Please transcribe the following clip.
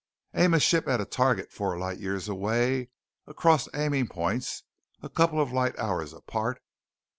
Aim a ship at a target four light years away across aiming points a couple of light hours apart.